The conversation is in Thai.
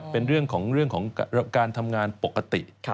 เป็นเรื่องของการทำงานปกติ